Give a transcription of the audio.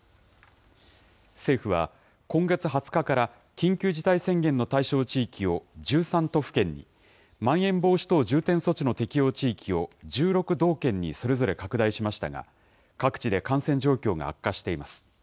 政府は、今月２０日から、緊急事態宣言の対象地域を１３都府県に、まん延防止等重点措置の適用地域を１６道県にそれぞれ拡大しましたが、各地で感染状況が悪化しています。